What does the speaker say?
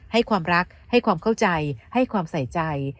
ให้ความรักให้ความเข้าใจให้ความใส่ใจ